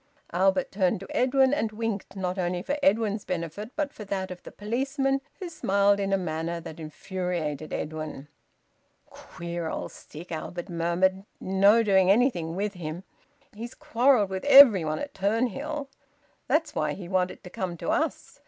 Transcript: Albert turned to Edwin and winked, not only for Edwin's benefit but for that of the policeman, who smiled in a manner that infuriated Edwin. "Queer old stick!" Albert murmured. "No doing anything with him. He's quarrelled with everybody at Turnhill. That's why he wanted to come to us.